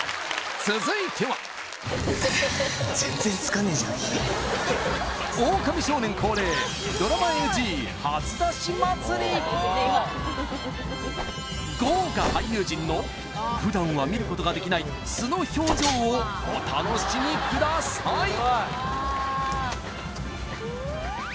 続いては豪華俳優陣の普段は見ることができない素の表情をお楽しみください